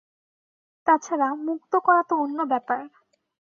তাছাড়া, মুক্ত করা তো অন্য ব্যাপার।